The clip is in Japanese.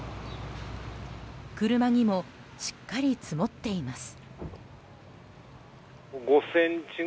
車にもしっかり積もっています。